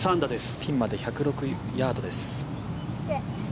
ピンまで１０６ヤードです。